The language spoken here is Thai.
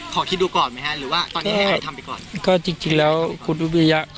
ขอที่ดูก่อนไหมหรือว่าก็จริงแล้วคุณอุภุหภีริยะ